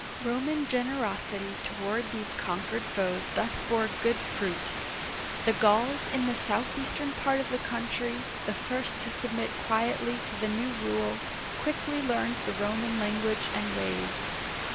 Roman generosity toward these conquered foes thus bore good fruit. The Gauls in the southeastern part of the country — the first to submit quietly to the new rule, — quickly learned the Roman language and ways.